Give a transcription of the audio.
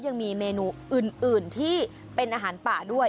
ยังมีเมนูอื่นที่เป็นอาหารป่าด้วย